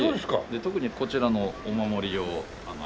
特にこちらのお守りを新しく。